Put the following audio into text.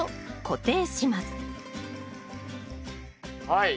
はい。